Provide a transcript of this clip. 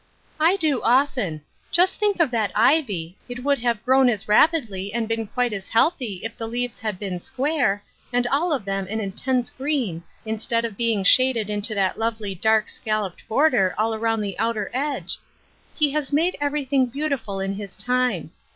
" I do often. Just think of that ivy, it would have grown as rapidl}^ and been quite as healthy* if the leaves had been square, and all of them an intense green, instead of being shaded into that lovely dark, scolloped border all around the outer edge. ' He has made every thing beautiful in his time.'